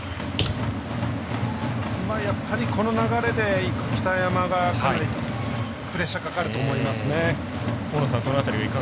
この流れで北山がプレッシャーかかると思います。